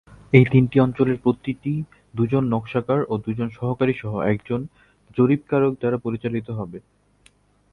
এই তিনটি অঞ্চলের প্রতিটি দুইজন নকশাকার ও দুইজন সহকারীসহ একজন জরিপকারক দ্বারা পরিচালিত হবে।